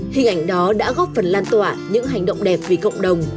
hình ảnh đó đã góp phần lan tỏa những hành động đẹp vì cộng đồng